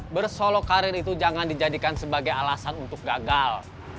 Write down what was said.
bersolok karir itu jangan dijadikan sebagai alasan untuk gagal